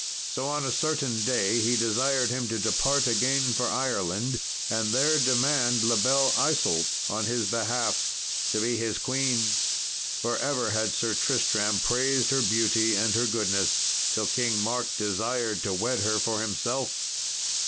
So on a certain day he desired him to depart again for Ireland, and there demand La Belle Isault on his behalf, to be his queen for ever had Sir Tristram praised her beauty and her goodness, till King Mark desired to wed her for himself.